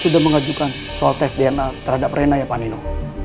sudah mengajukan soal tes dna terhadap rena ya pak nino